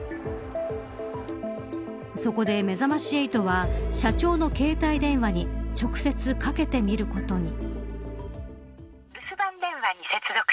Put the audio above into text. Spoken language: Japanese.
そこで、めざまし８は社長の携帯電話に直接かけてみることに。